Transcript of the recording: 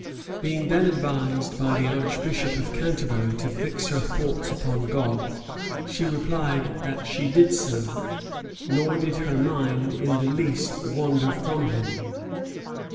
Being then advised by the archbishop of Canterbury to fix her thoughts upon God, she replied, that she did so, nor did her mind in the least wander from him.